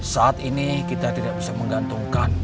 saat ini kita tidak bisa menggantungkan